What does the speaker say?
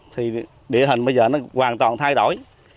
thì địa hình bây giờ nó hoàn toàn thay đổi